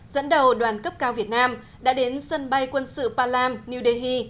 dẫn đầu đoàn cấp cao việt nam đã đến sân bay quân sự palam new delhi